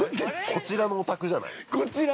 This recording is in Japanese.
◆こちらのお宅じゃない？